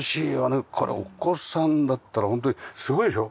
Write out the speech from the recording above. これお子さんだったらホントにすごいでしょ？